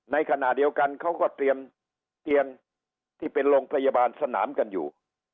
ในขณะเดียวกันเขาก็เตรียมเตียงที่เป็นโรงพยาบาลสนามกันอยู่